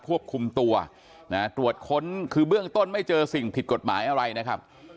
ควบคุมตัวนะตรวจค้นคือเบื้องต้นไม่เจอสิ่งผิดกฎหมายอะไรนะครับ